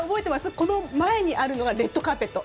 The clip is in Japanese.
この前にあるのがレッドカーペット。